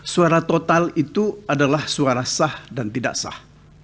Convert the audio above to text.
suara total itu adalah suara sah dan tidak sah